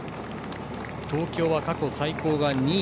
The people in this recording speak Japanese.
東京は過去最高は２位。